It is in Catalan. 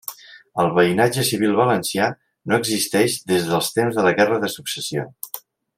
El veïnatge civil valencià no existeix des dels temps de la guerra de successió.